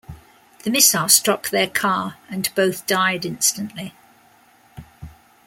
The missile struck their car, and both died instantly.